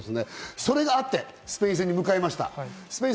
それがあって、スペイン戦を迎えました。